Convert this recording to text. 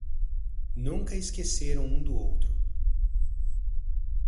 Nunca esqueceram um do outro